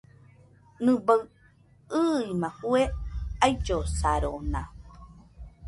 Nɨbaɨ ɨima fue aillosarona.